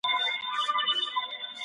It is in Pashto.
شخصي ملکيت ته بايد احترام وسي.